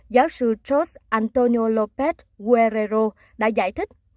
giáo sư george antonio lopez guerrero đã giải thích